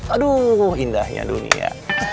aduh indahnya dunia